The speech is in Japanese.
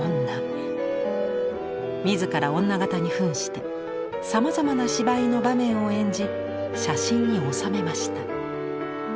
自ら女形に扮してさまざまな芝居の場面を演じ写真に収めました。